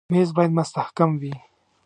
مېز باید مستحکم وي.